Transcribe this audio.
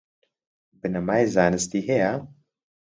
بنەمای زانستی هەیە؟